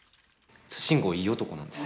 慎吾いい男なんです。